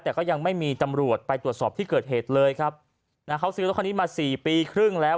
แต่ก็ยังไม่มีตำรวจไปตรวจสอบที่เกิดเหตุเลยครับนะฮะเขาซื้อรถคันนี้มาสี่ปีครึ่งแล้ว